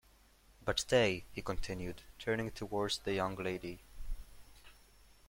‘But stay,’ he continued, turning towards the young lady.